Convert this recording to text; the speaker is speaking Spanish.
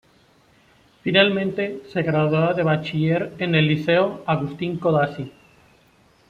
Finalmente, se gradúa de bachiller en el liceo Agustín Codazzi.